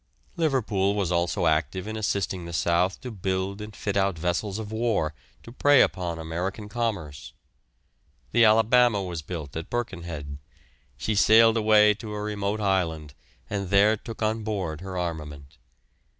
Liverpool was also active in assisting the south to build and fit out vessels of war to prey upon American commerce. The "Alabama" was built at Birkenhead; she sailed away to a remote island and there took on board her armament.